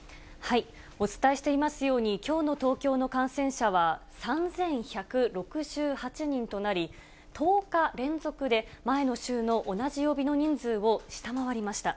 お伝えしていますように、きょうの東京の感染者は３１６８人となり、１０日連続で、前の週の同じ曜日の人数を下回りました。